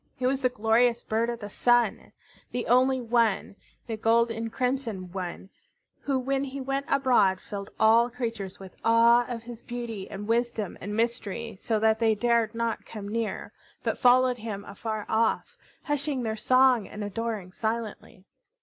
He was the glorious bird of the Sun, the only one, the gold and crimson one, who when he went abroad filled all creatures with awe of his beauty and wisdom and mystery, so that they dared not come near, but followed him afar off, hushing their song and adoring silently.